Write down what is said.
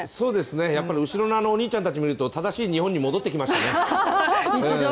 やっぱり後ろのお兄ちゃんたちを見ると正しい日本に戻ってきましたね。